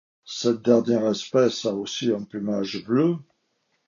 Cette dernière espèce a aussi un plumage bleu.